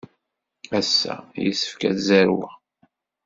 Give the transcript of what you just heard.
Ass-a, yessefk ad zerweɣ.